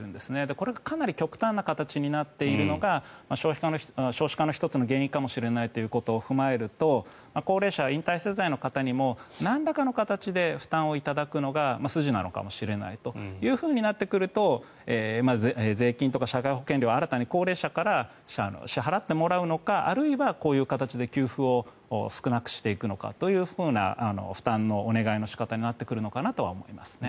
これがかなり極端な形になっているのが少子化の１つの原因かもしれないということを考えると高齢者、引退世代の方にもなんらかの形で負担をしていただくのが筋なのかもしれないとなってくると税金とか社会保険料を新たに高齢者から支払ってもらうのかあるいはこういう形で給付を少なくしていくのかというような負担のお願いの仕方になってくるのかなとは思いますね。